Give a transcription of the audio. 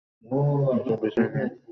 এসব বিষয় নিয়ে চিন্তা সময় আমার অনেক আছে।